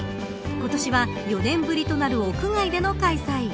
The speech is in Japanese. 今年は４年ぶりとなる屋外での開催。